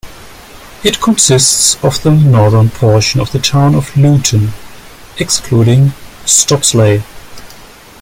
It consists of the northern portion of the town of Luton, excluding Stopsley.